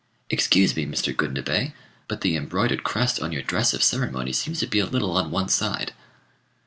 "Excuse me, Mr. Gundabei, but the embroidered crest on your dress of ceremony seems to be a little on one side."